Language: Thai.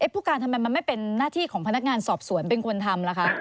ผู้การทำไมมันไม่เป็นหน้าที่ของพนักงานสอบสวนเป็นคนทำล่ะคะ